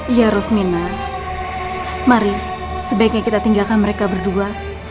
iya rosmina mari sebaiknya kita tinggalkan mereka berdua